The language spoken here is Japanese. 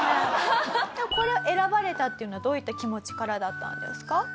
これを選ばれたっていうのはどういった気持ちからだったんですか？